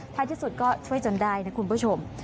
ท้ายที่สุดก็ช่วยจนได้นะคุณผู้ชม